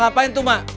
ngapain tuh mak